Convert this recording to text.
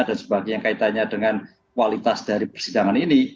dan sebagainya yang kaitannya dengan kualitas dari persidangan ini